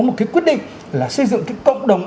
một cái quyết định là xây dựng cái cộng đồng